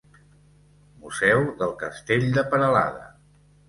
Museu del Castell de Peralada.